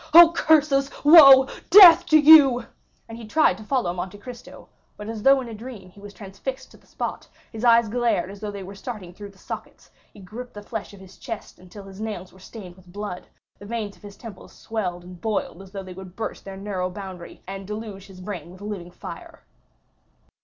Oh, curses, woe, death to you!" He tried to follow Monte Cristo; but as though in a dream he was transfixed to the spot,—his eyes glared as though they were starting through the sockets; he griped the flesh on his chest until his nails were stained with blood; the veins of his temples swelled and boiled as though they would burst their narrow boundary, and deluge his brain with living fire.